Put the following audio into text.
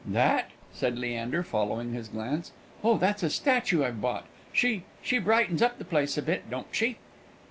"That?" said Leander, following his glance. "Oh! that's a statue I've bought. She she brightens up the place a bit, don't she?"